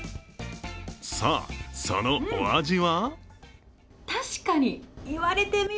さあ、そのお味は？